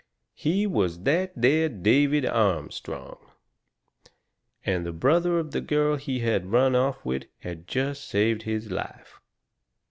HE WAS THAT THERE DAVID ARMSTRONG! And the brother of the girl he had run off with had jest saved his life.